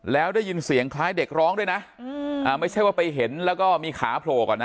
แล้วได้ยินเสียงคล้ายเด็กร้องด้วยนะไม่ใช่ว่าไปเห็นแล้วก็มีขาโผล่ก่อนนะ